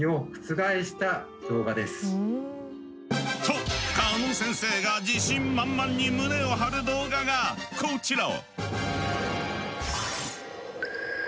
と鹿野先生が自信満々に胸を張る動画がこちら！